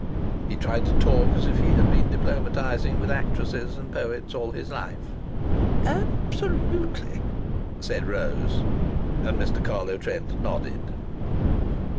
He tried to talk as if he had been diplomatizing with actresses and poets all his life. "A absolutely!" said Rose. And Mr. Carlo Trent nodded.